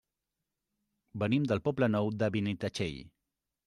Venim del Poble Nou de Benitatxell.